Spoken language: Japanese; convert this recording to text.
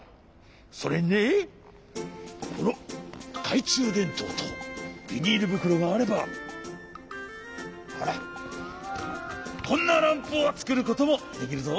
それにねこのかいちゅうでんとうとビニールぶくろがあればほらこんなランプをつくることもできるぞ。